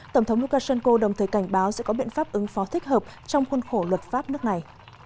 tổng thống lukashenko đồng thời cảnh báo sẽ có biện pháp ứng phó thích hợp trong khuôn khổ luật pháp nước này